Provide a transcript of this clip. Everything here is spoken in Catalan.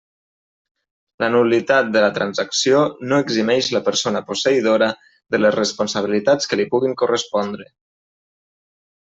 La nul·litat de la transacció no eximeix la persona posseïdora de les responsabilitats que li puguin correspondre.